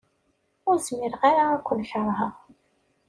Ur zmireɣ ara ad ken-keṛheɣ.